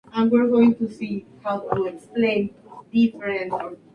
Hay rastros de un antiguo corredor alrededor de la nave.